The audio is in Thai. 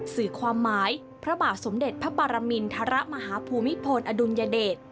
สื่อความหมายพระบาทสมเด็จพระปรมินทรมาฮภูมิพลอดุลยเดช